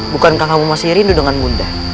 bukankah kamu masih rindu dengan mudah